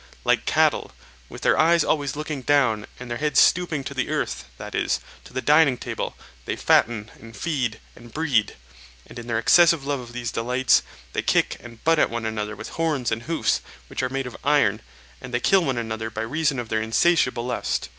Like cattle, with their eyes always looking down and their heads stooping to the earth, that is, to the dining table, they fatten and feed and breed, and, in their excessive love of these delights, they kick and butt at one another with horns and hoofs which are made of iron; and they kill one another by reason of their insatiable lust.